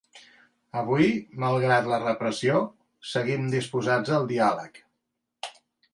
Avui, malgrat la repressió, seguim disposats al diàleg.